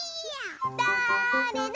だれだ？